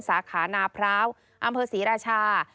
สาขานาพร้าวอำเภอศรีราชา